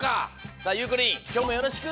さあゆうこりんきょうもよろしく！